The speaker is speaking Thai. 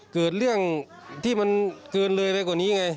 เกิดเรื่องที่มันเกินเลยไปกว่านี้ไง